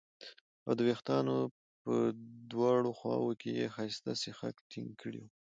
او د وېښتانو په دواړو خواوو کې یې ښایسته سیخک ټینګ کړي وو